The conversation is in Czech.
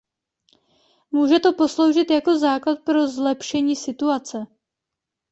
Může to posloužit jako základ pro zlepšení situace.